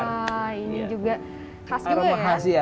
wah ini juga khas juga ya